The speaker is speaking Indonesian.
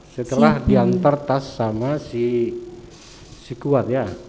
setelah diantar tas sama si kuat ya